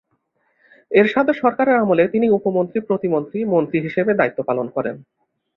এরশাদের সরকারে আমলে তিনি উপমন্ত্রী, প্রতিমন্ত্রী, মন্ত্রী হিসেবে দায়িত্ব পালন করেন।